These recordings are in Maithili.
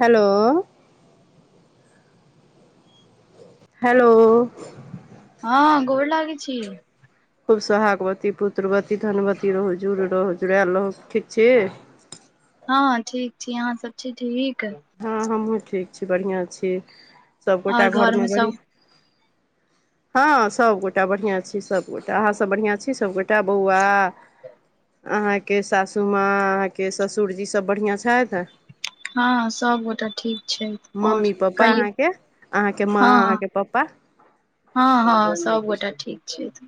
हेलो हेलो हँ गोर लागै छी खूब सोहागवती पुत्रवती धनवती रहु जुड़ रहु जुड़ायल रहू ठीक छी हँ ठीक छी अहाँ सब छी ठीक हँ हमहूँ ठीक छी बढ़िआँ छी और सभगोटा घर में घरमे सब बढ़िया [inaudible] हँ सभगोटा बढ़िआँ छी सभगोटा अहाँसभ बढ़िआँ छी सभगोटा बौआ अहाँके सासूमाँ अहाँके ससुरजीसभ बढ़िआँ छथि हँ सब गोटा ठीक छैथ और मम्मी पप्पा कहियो अहाँके अहाँके माँ हँ अहाँके पप्पा हँ हँ सब गोटा ठीक छैथ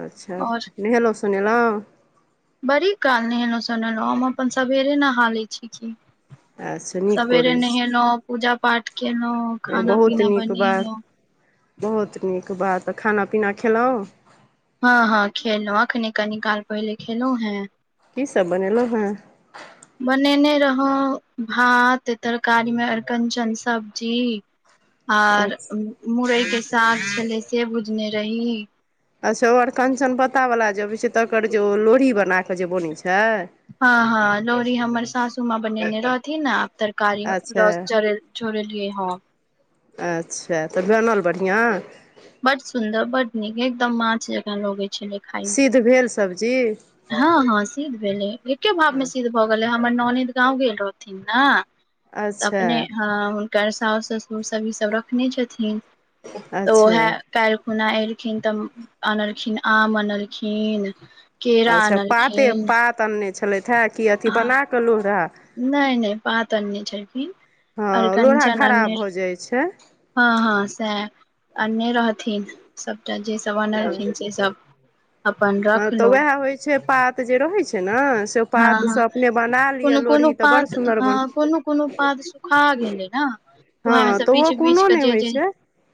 अच्छा और नहेलहुँ सुनेलहुँ बड़ी काल नहेलौं सुनेलहुंँ हम अपन सवेरे नहा लै छी की अच्छा नीक सवेरे करैत छी नहेलौं पूजा पाठ केलहुँ खाना बहुत पीना नीक बात बनेलहुँ बहुत नीक बात खाना पीना खेलहुँ हँ हँ खेलहुँ अखने कनि काल पहिले खेलहुँ हें की सब बनेलहुँ हैं बनेने रहौं भात तरकारीमे अरिकंचन सब्जी [inaudible] आर अच्छा मुरई के साग छलै से भुजने रही अच्छा ओर कञ्चन पत्ता वाला जे अबै छैय तकर जे ओ लोढ़ी बना कऽ जे बनैत छैय हँ हँ लोड़ी हमर सासू माँ बनेने रहथिन ने तरकारी अच्छा रस छोड़े छोड़ेलियए ह अच्छा तऽ बनल बढ़िआँ बड सुन्दर बड नीक एकदम माछ जकाँ लगै छलै खाय मे सिद्ध भेल सब्जी हँ हँ सिद्ध भेलै एके भावमे सिद्ध भऽ गेलै हमर ननदि गाँंव गेल रहथिन न तऽ अच्छा अपने हँ हुनकर सास ससुर सब ईसभ रखने छथिन तऽ अच्छा ओहे काइल खुना एल खिन तऽ अनलखिन आम अनलखिन अच्छा पाते पात अनने छलथि हे कि अथी ह बना कऽ लौल रहे नहि नहि पात अनने छलखिन हँ लोढ़ा अरिकंचन खराब अनने भऽ जाइ छै रहै हँ हँ सैह अनने रहथिन सभटा जेसभ हँ अनलखिन सेसभ हँ तऽ उएह होइ छै पात जे रहै छै न से ओ हँ पात हँ सँ अपने बना लिय कोनो कोनो लोढ़ी तऽ बड़ पात सुन्दर बन हँ कोनो कोनो पात सुखा गेलै ने उएह मे हँ सब तऽ ओहो बीछ बीछ कोनो के नहि जे होइत जे छै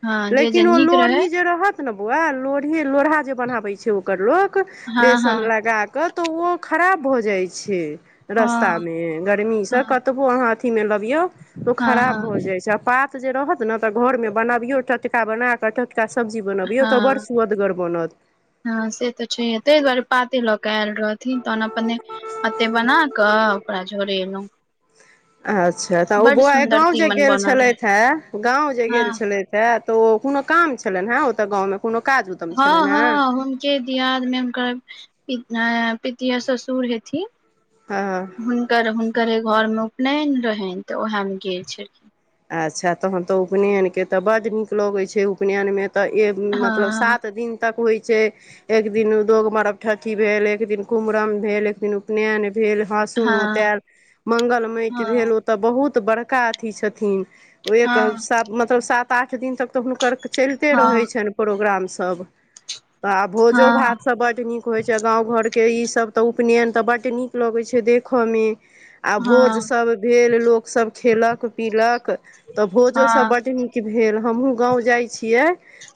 हँ जे जे लेकिन ओ नीक रहै लोढ़ी जे रहत ने ब‌उआ लोढ़ी लोढ़ा जे बनाबै छै ओकर लोक हँ बेसन हँ लगाकऽ तऽ ओ खराब भऽ जाइ छै रस्ता हँ मे गर्मीसँ हँ कतबो अहाँ अथी मे लबियौ ओ हँ खराब हँ भऽ जाय छै पात जे रहत ने तऽ घर मे बनबियौ टटका बना कऽ टट का सब्जी बनबियौ तऽ बड़ हँ सुअदगर बनत ते लऽ कऽ आयल रहथिन तहन अपने अत्तै बना कऽ ओकरा झोड़ेलौं अच्छा तऽ ओ बौआ यै गाँंव जे तीमन गेल बनल रहे छलथि हे गाँंव जे हँ गेल छलथि हे तऽ ओ कोनो काम छलनि हें ओतऽ गाँवमे कोनो काज उदम हँ छलनि हेँ हँ हुनके दियाद मे हुनकर पित पितियौत ससुर हेथिन हँ हुनकर हुनकरे घर मे उपनयन रहैन तऽ ओएहेमे गेल छेलखिन अच्छा तहन तऽ उपनयनके तऽ बड्ड नीक लगै छै उपनयनमे तऽ ए मतलब हँ सात दिन तक होइ छै एक दिन दोग मरगठठी भेल एक दिन कुमरन भेल एक दिन उपनयन भेल हँ हाँसुनोतेल मंगलमयके भेल हँ ओतऽ बहुत बड़का अथी छथिन ओ एक हँ सात मतलब सात आठ दिन तक तऽ हुनकर चलिते हँ रहै छनि प्रोग्राम सब तऽ भोजो हँ भात सब बड्ड नीक होइ छै गाँव घर के ई सब तऽ उपनयन तऽ बड्ड नीक लगै छै देखऽमे आ हँ भोजसभ भेल लोकसभ खेलक केलक तऽ भोजो सभ हँ बड्ड नीक भेल हमहुँ गाँव जाय छियै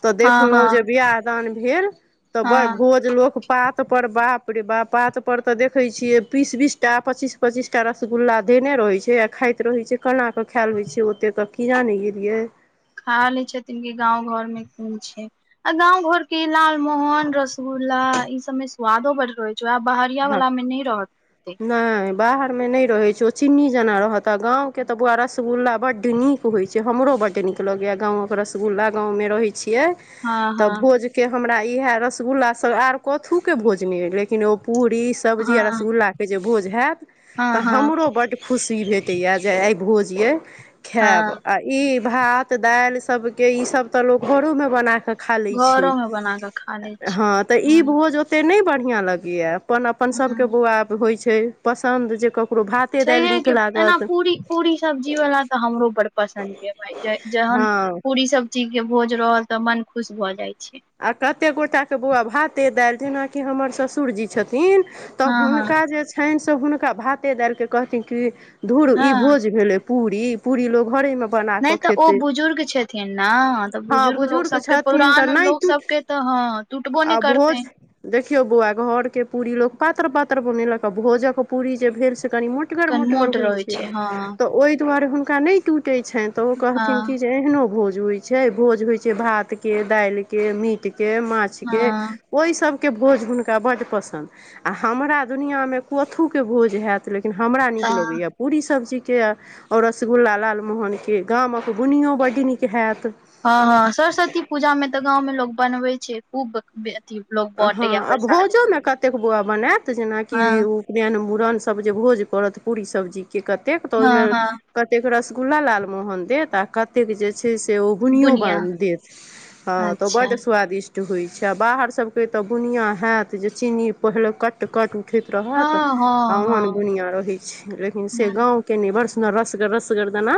तऽ हँ देखलौं जे हँ बियाह दान भेल तऽ बर हँ भोज लोग पात पर बाप रे बाप पात पर तऽ देखै छीये बीस बीस टा पचीस पचीस टा रसगुल्ला देने रहै छ खाइत रहै छै केना कऽ खायल होइ छै ओतेक कऽ कीजाने गेलियै खा लै छथिन कि गाँंव घर मे कोन छै आ गाँव घर केँ इ लाल मोहन रसगुल्ला ला ई सबमे स्वादो बड्ड रहै छै वैह बहरिया वला मे नहि रहत ओत्ते बाहर में नहि रहे छै ओ चीन्नी जेना रहत गाँव केऽ बौुआ रसगुल्ला बड नीक होय छै हमरो बड्ड नीक लगैया गाँवक रसगूल्ला गाँव मे रहै छिये हँ तब हँ भोज केँ हमरा इहै रसगुल्ला सब आर कथुके भोजने अइ लेकिन ओ पूड़ी सब्जी आ हँ रसगुल्ला के जे भोज हयत तऽ हँ हँ हमरो बड्ड खुशी भे येह जे आइ भोज यै हँ खायब आ ई भात दालि सबके ई सब तऽ लोग घरोमे बनाकऽ खा लैत छै घरो मे बना कऽ खा लै छी हँ तऽ ई भोज ओत्ते नै बढियां बढ़ियां लगैये अपन अपन सभ के हँ बौआ आब होइ छै पसन्द जेकर छैहे कि एना पूरी पूरी सब्जी वाला तऽ हमरो बड़ पसन्द य भाय जहन हँ पूरी सब्जी केँ भोज रहल तऽ मन खुश भऽ जाइत आ कत्ते गोटा केँ बौआ भाते दालि जेनाकि हमर ससुरजी छथिन थिन तऽ हँ हँ हुनका जे छनि से हुनका भाते दिलि के कहथिन कि धुर ई हँ भोज भेले पूरी पूरी लोग घरे मे नहि तऽ ओ बुजुर्ग छथिन न तऽ हँ बुजुर्ग लोक सभके छथिन तऽ पुरान नहि लोक किछु सबके तऽ हँ टूटबो आ नहि करते है भोज देखियौ बौआ घरके पूरी लोक पातर पातर बनेलक आ भोजक पूरी जे भेल से त कनि मोटगर मोटगर कनमोट होइ रहै छै हँ तऽ ओहि दुर हुनका टूटे छ तऽ ओ कहथिन की हँ जे एहनो भोज होइ छै भोज होइ छै भात के दालके के मीट के माछ के हँ ओहि सब के भोज हुनका बड पसंड अ हमरा दुनिया मे कथू के भोज हैत ले लेकिन हमरा नीक हँ लगैया पूरी सब्जी के ओर रसगुल्ला लालमोहन के गामक बुनियो बड्ड नीक हैत हँ हँ सरस्वती पूजा में तऽ गाँवं मे लोग बनबै छै खूब अथी लोग बाँटे हँ या आ प्रसाद भोजोमे कतेक बौआ बनायत जेनाकि हँ उपनयन मूड़नसभ जे भोज करत पूरी सब्जी के कतेक त हँ ओहिमे हँ कतेक रसगुल्ला लालमोहन देत आ कते जे छै से ओ बुनियो बुनिया देत हँ तऽ ओ अच्छा बड्ड स्वादिष्ट होइत छै आ बाहर सभ के तऽ बुनिया हैत जे चीनी पहिले कट कट उठैत रहत हँ आ हँ ओहन हँ बुनिया रहै छै लेकिन से न- गाँव के ने बरस रसग रसगर दना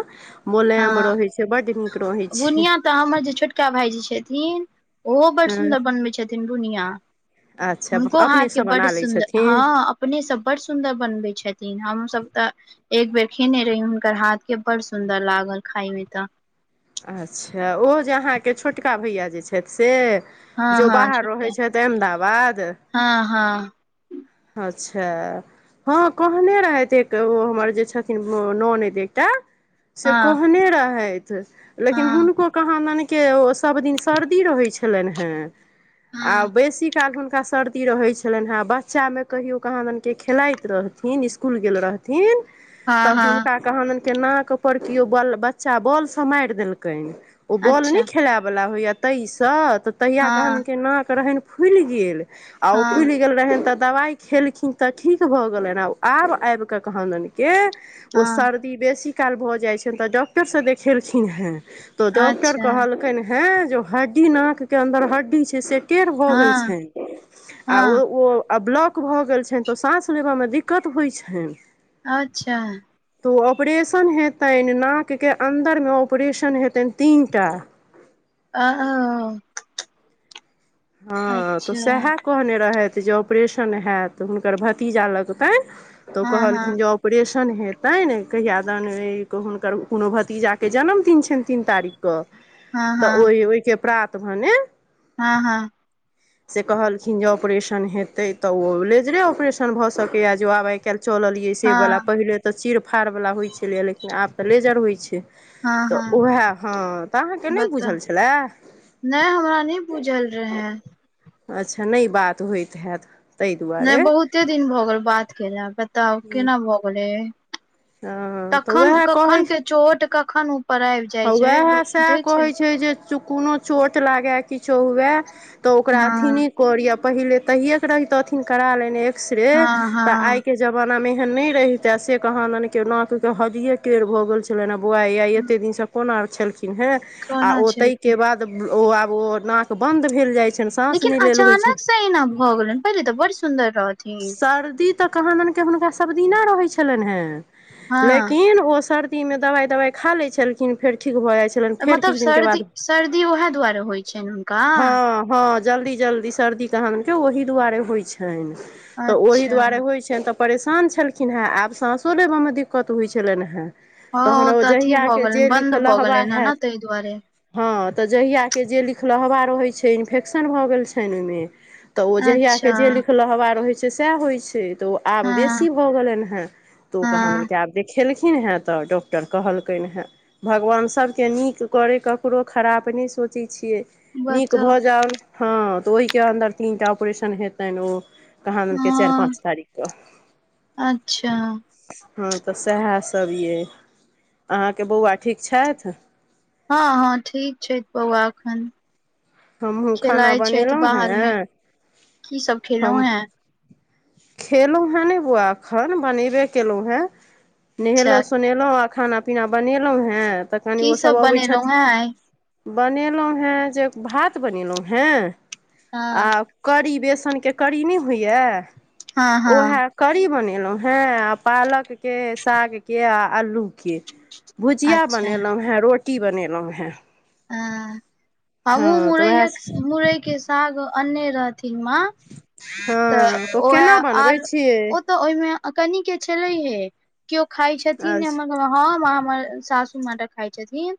मोलायम हँ रहै छै बड्ड नीक रहै छै बुनिया तऽ हमर जे छोटका भाईजी छथिन ओहो बड़ सुन्दर बनबै छथिन बुनिया आ हुनको हाथके बड्ड सुन्दर हँ अपनेसभ बडड़ड सुन्दर बनबैत छथिन हमसभ तऽ एक बेर खेने रही हुनकर हाथ के बड़ सुन्दर लागल खाय मे तऽ अच्छा ओ जे अहाँके छोटका भैया जे छथि से हँ जो हँ बाहर छोटका रहै छैथ अहमदाबाद हँ हँ अच्छा हँ कहने रहैत एक ओ हमर जे छथिन ननैद एकटा से हँ कहने रहथि लेकिन हँ हुनको कहाँ मने के सब दिन सर्दी रहै छलनि हैं आ हँ बेसी काल हुनका का सर्दी रहै छलनि हैं बा बच्चा मे कहियो कहाँ दनके खेलाइत रहथिन स्कूल गेल रहथिन तऽ हँ हँ हुनका कहदन के नाकपर केओ बल बच्चा बॉल सँ मारि देलकनि ओ बॉल अच्छा नहि खेलायवला होइया तै सँ तऽ तहिया कहादनि हँ के नाक रहनि फुलि गेल आ ओ हँ फुलि गेल रहनि तऽ दबाइ खेलखिन तऽ ठीक भऽ गेलनि आ आब आबिकऽ कहादनके ओ हँ सर्दी बेसी काल भऽ जाइत छनि तऽ डॉक्टर सँ देखेलखिन हेँ तो डॉक्टर अच्छा कहलकनि हैं जे ओ हड्डी नाक के अन्दर हड्डी छैय से टेढ़ भऽ गेल हँ छनि आ हँ ओ ओ आ ब्लॉक भऽ गेल छनि तऽ साँस लेबऽमे दिक्कत होइत छनि। अच्छा तऽ ओ ऑपरेशन हेतनि नाकके अन्दरमे ऑपरेशन हेतनि तीन टा आ औ हँ तऽ सेहै कहने रहेथ त जे ऑपरेशन हैत हुनकर भतीजा लगतैं तऽ ओ हँ हँ कहलखिन जे ऑपरेशन शन हेतनि कहियादन हुनकर कोनो भतीजाके जन्मदिन छनि तीन तारीख कऽ हँ तऽ ओहि ओहिके प्रात भने हँ हँ से कहलखिन जे ऑपरेशन हेतै तऽ ओ लेजरे ऑपरेशन भऽ सकैया जे आब आइ काल्हि चललियै से बला हँ पहिले तऽ चिड़ फाड़वला होइ छलैय लेकिन आब तऽ लेजर होइ छै हँ हँ तऽ हँ उएह हँ तऽ अहाँके नहि बता बुझल छलए नहि हमरा नै बुझल रहे अच्छा नहि बात होइत हेयत नहि बहुते दिन भऽ गेल बात केला बताउ केना भऽ गेलै तऽ तखन उएह कखन के चोट कखन आबि हौ जाइ छै उएह लोक सएह बुझै कहै छै जे कोनो चोट लागए किछो हुए तऽ ओकरा अथी हँ नहि करि पहिले तहिये के रहितथिन करा लेने हँ तऽ हँ आइ के जमाना मे एहन नहि रहिते से कहादन के नाक के हड्डिये टेड़ भऽ गेल छलनि ह बौआय आ एते दिनसँ कोना आर छलखिन हैं आ कोना ओ ताहिके छलखिन बाद ओ आब ओ नाक बंद भेल जाय लेकिन अचानकसँ एना भऽ गेलनि पहिले तऽ बड्ड सुन्दर रहथिन। त कहादनि के हुनका सबदिना रहै छलनि हैं हँ लेकिन ओ सर दी मे दवाइ दवाइ खा लै छलखिन फेर ठीक भ जाइत छलेन फेर मतलब किछु दिन के बाद सर्दी सर्दी उएह दुआरे होइ छनि हुनका हँ हँ जल्दी जल्दी सर्दी कहादुनके ओहि दुआरे होइ छनि तऽ ओहि अच्छा दुआरे होइ छनि तऽ परेशान छलखिन हैं आब साँसो लेबयमे दिक्कत होइत छलनि हेँ तहन हँ ओ तऽ अथी भ गेल जहियाके जे लिखलहबा हैयत हँ त जहिया के जे लिख लहवा रहै छैय इन्फेक्शन भऽ गेल छनि ओहिमे तऽ ओ जहिया अच्छा के जे लिखलवा रहै छैय सैह होइ छैय त आब हँ बेसी भऽ गेलन हैं त ओ कहादुनि हँ के आब देख खेलखिन हैं तऽ डॉक्टर कहलकनि हैं। भगवान सभके नीक करै ककरो खराप नहि सोचैत छियै। नीक बताउ भऽ जायउ हँ तऽ ओहिके अन्दर तीन टा ऑपरेशन हेतनि ओ कहाँ दनके चार हँ पाँच तारीखके अच्छा हँ तऽ सेहे सभ यै अहाँके बौआ ठीक छथि हँ हँ ठीक छैय बौआ एखन हमहूँ खाना खेलाइ छथि बनेलहुँ बाहरमे हेँ की सब हम खेलहुं हें खेलहुँ हेँ ने बौआ एखन बनेबे केलौ हेँ नहेलौ अच्छा सुोनेलौ आ खाना पीना बनेलौ हैं तऽ कनि की ओ सब अबै छथि बनेलहुं हें आइ बनेलौ हैं जे भात बनेलौ हैं आ हँ करी बेस के करी नहि होइया हँ हँ ओहे करी बने लौ हैं आ पालक के सागके आ अल्लूके भुजिया अच्छा बनेलौ हैं रोटी बनेलहुँ हैं ह हमहुँ तऽ उएह मुरैयेक मुरै के साग अन्ने रहथिन माँ तऽ हँ ओ ओहे केना बनबै आर छियै ओ तऽ ओहिमे कनि के छलैहे केओ खााय छथिन हम अच्छा हमर सासु म खाइ छथिन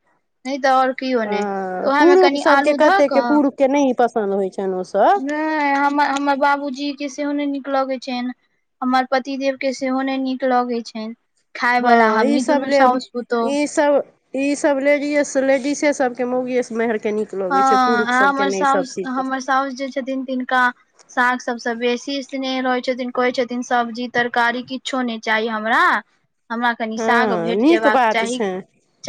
नहि तऽ ओर केऊने त हँ ओहि में पुरुख कंपनी सभके अल्लु ध क कतेकके पुरुषके नहि पसन्द होइ छनि ओसभ नै हमर हमर बाबूजी के सेहो नहि नीक लगैत छैन हमर पतिदेव के सेहो नै नीक लगैत छैन हँ ईसभ लि ईसभ ई सब लेडीस लेडिसे सबके मोगीये मेहर के नीक हँ लगे छै पुरुख आ सबके हमर नहि ई सब हाउस चीज हमर पसन्द। साउस जे छथिन तिनका साग सब सभ बेसी स्नेह रहै छथिन कहै छथिन सब्जी तरकारी किछो नहि चाही हमरा हमरा कनि साग हँ भेट नीक जेबाक बात चाही छै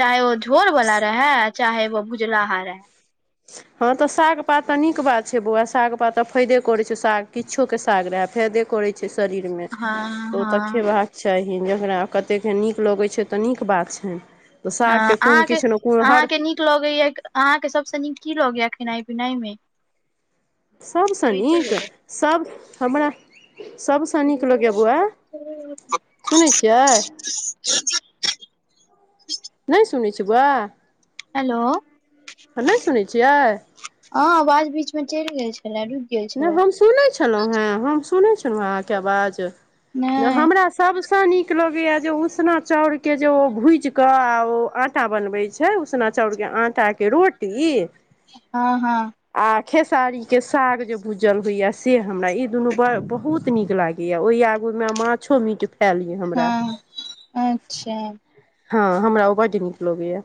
चाहे ओ झोर बला रहे चाहे ओ भूजलाहा रहै [inaudible] हँ तऽ साग पात तऽ नीक बात छैय बौआ साग पात तऽ फायदे करैत छैय साग किछोके साग रहै फायदे करैत छैय। शरीरमे हँ तऽ ओत हँ खेबहाक चाही जकरा कतेकके नीक लगैत छैय तऽ नीक बात छैन हँ अहाँके अहाँके नीक लगैया अहाँके सभसँ नीक की लोगैया खेनाई पिनाई में सबसँ नीक सब हमरा सभसँ नीक लगैया बौआ सुनै छियै ह नहि सुनै छीयै बौआ हेलो हँ नहि सुनै छियै चली गेल छै नहि हम सुनै छलौ हेँ हम सुनै छलौ हँ अहाँके आवाज न नहि हमरा सब निक लगैया जे उसना चाउर के जे ओ भूज क आ ओ आटा बनवबै छै उसना चाउर के आटा के रोटी हँ हँ आ खेसारीके साग जे भूजल होइया से हमरा ई दुनू ब बहुत ब नीक लागैया ओहि आगूमे माछो मीट फेल या हमरा हँ अच्छा हँ हमरा ऊ बड निक लागैया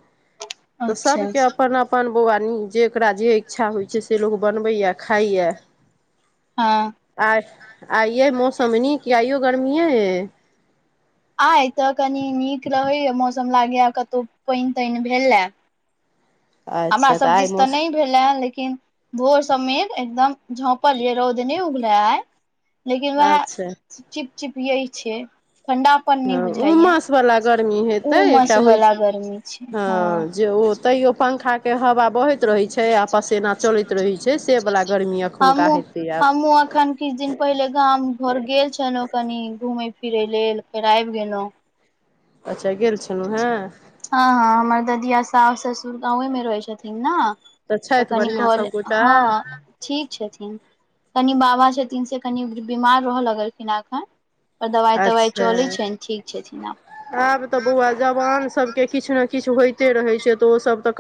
त अच्छा सबके अपन अपन बौआनी जेकरा जे इच्छा होइ छै से लोक बनबैए खाइए हँ आ आइयो मौसम निकए आइयो गर्मीये ए आइ तऽ कनी नीक रहैए मौसम लागैए कतौ पाइन ताइन भेलए हमरा अच्छा सभ आइ दिस तऽ मौस नहि भेलै लेकिन भोर समीर एकदम झोपल रौदनी उग रह है लेकिन वएह अच्छा चिपिय छ ठण्डापन नहि हँ बुझाइय उमस वाला गर्मी हेतै एकटा उमस होइ छै वला गर्मी छै हँ ओ तैयो पंखा के हवा बहत रहै छै आ पसेना चलैत रहै छै से वला गर्मी एखुनका हमहुँ हेतै हमहुँ आब अखन किछु दिन पहिले गाम घर गेल छलहुँ कनी घूमय फिरैय लेल फेर आबि गेलहुँ अच्छा गेल छलहु हँ हँ हँ हमर ददिया सास ससुर गाँंवे मे रहे छथिन ने तऽ छथि कनि बढ़िआँ घ सभगोटा हँ ठीक छथिन कनि बाबा छथिन तिन से कनि बीमार रहय लगलखिन एखन पर दबाइ तबाइ अच्छा चलैत छै ने ठीक छै ना आब तऽ बौआ जवान सब के किछु ने किछु होयते रहे छै तऽ ओ सब तऽ